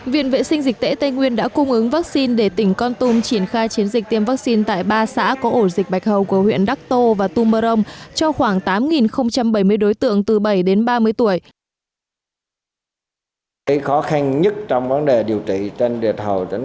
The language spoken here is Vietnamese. viện vệ sinh dịch tễ tây nguyên đã cung ứng vaccine để tỉnh con tum triển khai chiến dịch tiêm vaccine tại ba xã có ổ dịch bạch hầu của huyện đắc tô và tum mơ rông cho khoảng tám bảy mươi đối tượng từ bảy đến ba mươi tuổi